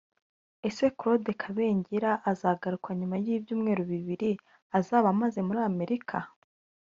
Ese Claude Kabengera azagaruka nyuma y’ibyumweru bibiri azaba amaze muri Amerika